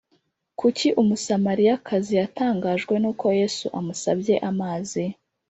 Kuki Umusamariyakazi yatangajwe n uko Yesu amusabye amazi